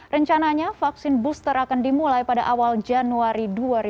rencananya vaksin booster akan dimulai pada awal januari dua ribu dua puluh